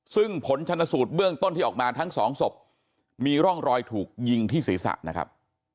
ซึ่งผลชนสูตรเบื้องต้นที่ออกมาทั้งสองศพมีร่องรอยถูกยิงที่ศีรษะนะครับ